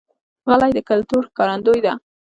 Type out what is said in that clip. غلۍ د کلتور ښکارندوی ده.